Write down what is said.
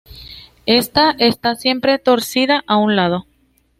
Esta está siempre torcida a un lado.